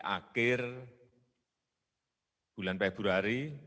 akhir bulan februari